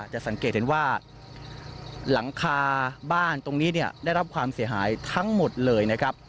จะสังเกตเห็นว่าหลังคาบ้านตรงนี้เนี่ยได้รับความเสียหายทั้งหมดเลยนะครับ